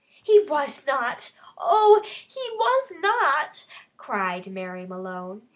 "He was not! Oh, he was not!" cried Mary Malone.